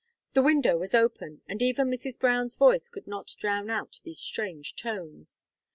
The window was open; and even Mrs. Brown's voice could not drown these strange tones.